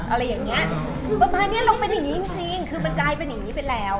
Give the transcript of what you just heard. อะไรอย่างเงี้ยประมาณเนี้ยเราเป็นอย่างงี้จริงจริงคือมันกลายเป็นอย่างงี้ไปแล้ว